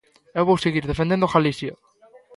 Eu vou seguir defendendo Galicia.